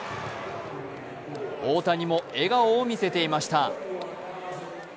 大谷も笑顔を見せていました。